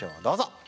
どうぞ！